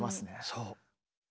そう。